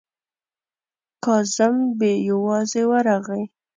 کازم بې یوازې ورغی.